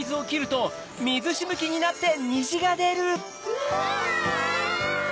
うわ！